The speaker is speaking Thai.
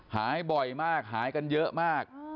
หายบ่อยมากหายกันเยอะมาก